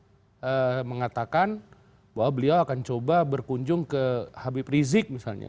nah sekarang ini kita di mekah mengatakan bahwa beliau akan coba berkunjung ke habib rizik misalnya